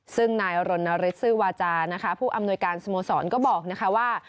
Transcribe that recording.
ซึ่งนายโรนาเลสซื้อวาจาผู้อำนวยการสมสรรค์ก็บอกว่า